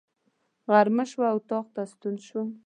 غرمه شوه، اطاق ته ستون شوم.